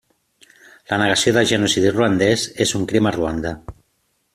La negació del genocidi ruandès és un crim a Ruanda.